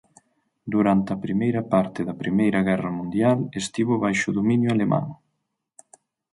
Durante a primeira parte da Primeira Guerra Mundial estivo baixo dominio alemán.